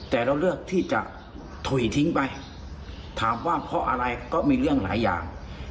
แต่เราเลือกที่จะถุยทิ้งไปถามว่าเพราะอะไรก็มีเรื่องหลายอย่าง